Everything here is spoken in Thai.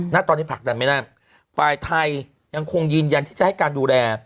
ณตอนนี้ผลักดันไม่ได้ฝ่ายไทยยังคงยืนยันที่จะให้การดูแล